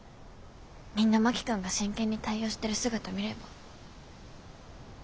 みんな真木君が真剣に対応してる姿見れば。